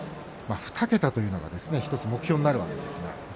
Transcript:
２桁というのが１つ目標になるわけですが。